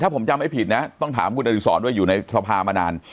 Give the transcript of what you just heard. ถ้าผมจำให้ผิดนะต้องถามคุณอดีตสอนด้วยอยู่ในสภามานาน